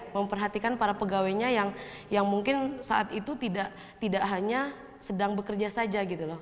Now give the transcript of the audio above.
memperhatikan para pegawainya yang mungkin saat itu tidak hanya sedang bekerja saja gitu loh